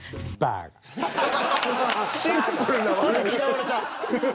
シンプルな悪口。